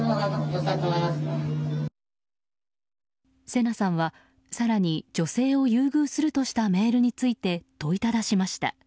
聖奈さんは更に女性を優遇するとしたメールについて問いただしました。